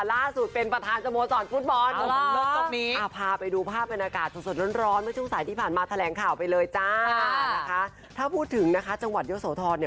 ล่าสุดเป็นประธานสโมสรฟุตบอลอ๋อเหมือนกับนี้